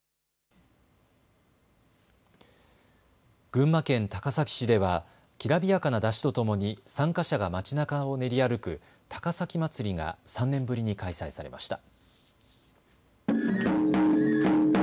群馬県高崎市ではきらびやかな山車とともに参加者が街なかを練り歩く高崎まつりが３年ぶりに開催されました。